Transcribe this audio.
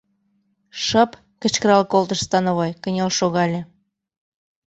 — Шып! — кычкырал колтыш становой, кынел шогале.